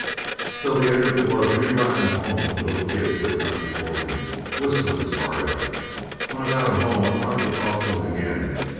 "So the end of it was me ridin' home with the little kid sittin' up before me, whistlin' his heart out! When I got him home I tried to talk to him again.